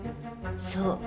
そう。